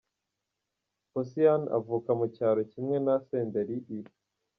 Posiyani avuka mu cyaro kimwe na Senderi i.